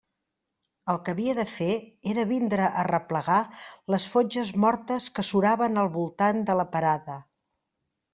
El que havia de fer era vindre a arreplegar les fotges mortes que suraven al voltant de la parada.